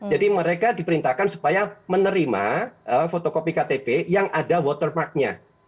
jadi mereka diperintahkan supaya menerima fotocopy ktp yang ada watermarknya